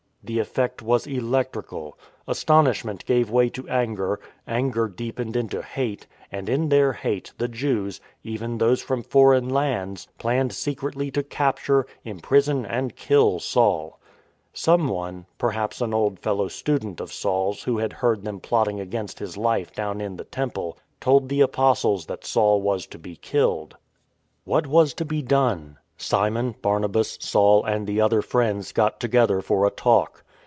The effect was electrical. Astonishment gave way to anger, anger deepened into hate, and in their hate, the Jews (even those from foreign lands) planned secretly to capture, imprison, and kill Saul. Someone — perhaps an old fellow student of Saul's, who had heard them plotting against his life down in the Temple — told the apostles that Saul was to be killed. What was to be done? Simon, Barnabas, Saul and the other friends got together for a talk.